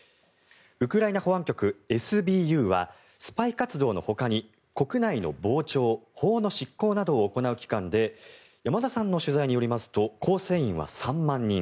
ウクライナ保安局・ＳＢＵはスパイ活動のほかに国内の防諜、法の執行などを行う機関で山田さんの取材によりますと構成員は３万人。